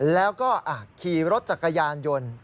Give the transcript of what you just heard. แล้วก็ขี่รถจักรยานยนต์